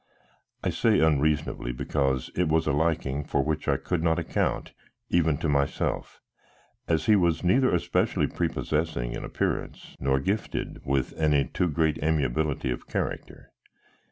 I say unreasonably, because it was a liking for which I could not account even to myself, as he was neither especially prepossessing in appearance nor gifted with any too great amiability of character.